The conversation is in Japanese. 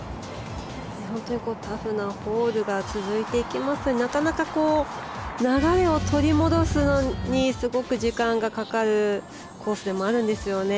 本当にタフなホールが続いていきますがなかなか流れを取り戻すのにすごく時間がかかるコースでもあるんですよね。